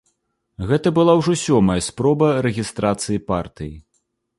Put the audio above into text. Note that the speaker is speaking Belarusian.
Гэта была ўжо сёмая спроба рэгістрацыі партыі.